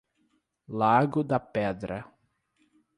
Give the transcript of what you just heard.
Lago da Pedra